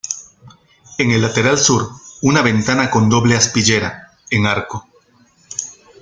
En el lateral sur, una ventana con doble aspillera, en arco.